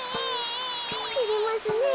てれますねえ。